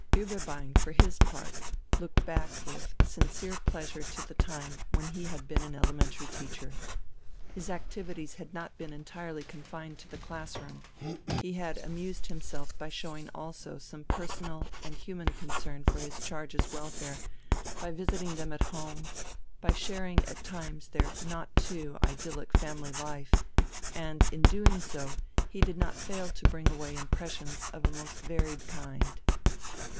Ueberbein, for his part, looked back with sincere pleasure to the time when he had been an elementary teacher. His activities had not been entirely confined to the class room, he had amused himself by showing also some personal and human concern for his charges' welfare, by visiting them at home, by sharing at times their not too idyllic family life, and in doing so he did not fail to bring away impressions of a most varied kind.